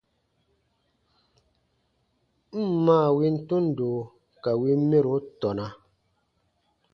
N ǹ maa win tundo ka win mɛro tɔna.